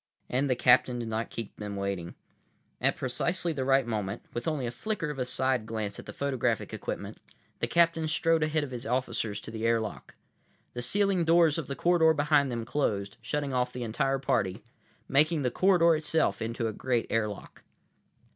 And the captain did not keep them waiting. At precisely the right moment, with only a flicker of a side glance at the photographic equipment, the captain strode ahead of his officers to the airlock. The sealing doors of the corridor behind them closed, shutting off the entire party, making the corridor itself into a great airlock.